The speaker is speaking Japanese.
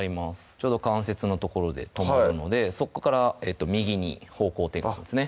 ちょうど関節の所で止まるのでそこから右に方向転換ですね